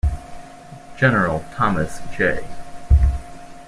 General Thomas J.